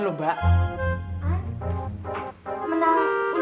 lu ada apa